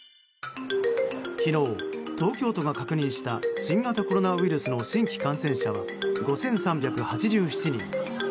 昨日、東京都が確認した新型コロナウイルスの新規感染者は５３８７人。